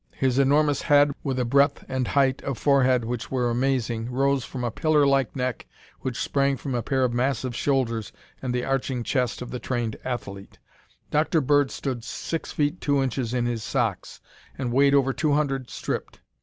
His enormous head, with a breadth and height of forehead which were amazing, rose from a pillar like neck which sprang from a pair of massive shoulders and the arching chest of the trained athlete. Dr. Bird stood six feet two inches in his socks, and weighed over two hundred stripped.